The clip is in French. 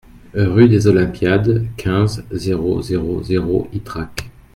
Rue des Olympiades, quinze, zéro zéro zéro Ytrac